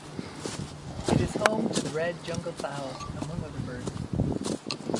It is home to the red jungle fowl among other birds.